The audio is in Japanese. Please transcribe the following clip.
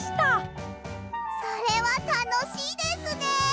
それはたのしいですね！